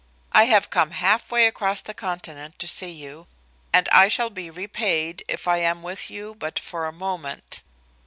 I have come half way across the continent to see you, and I shall be repaid if I am with you but for a moment.